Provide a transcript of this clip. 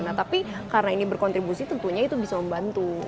nah tapi karena ini berkontribusi tentunya itu bisa membantu